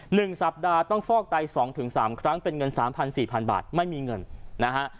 หนึ่งสัปดาห์ต้องฟอกไตสองถึงสามครั้งเป็นเงินสามพันสี่พันบาทไม่มีเงินนะฮะ